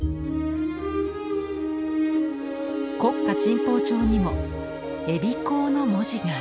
「国家珍宝帳」にも「衣香」の文字が。